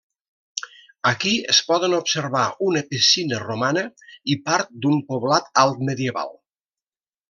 Aquí es poden observar una piscina romana i part d'un poblat alt-medieval.